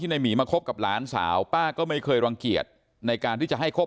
ส่วนนางสุธินนะครับบอกว่าไม่เคยคาดคิดมาก่อนว่าบ้านเนี่ยจะมาถูกภารกิจนะครับ